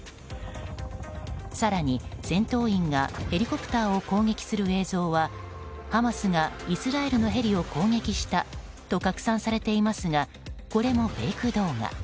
更に戦闘員がヘリコプターを攻撃する映像はハマスがイスラエルのヘリを攻撃したと拡散されていますがこれもフェイク動画。